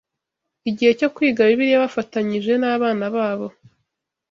igihe cyo kwiga Bibiliya bafatanyije n’abana babo.